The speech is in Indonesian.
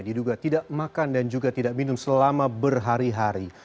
diduga tidak makan dan juga tidak minum selama berhari hari